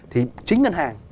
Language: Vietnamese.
thì chính ngân hàng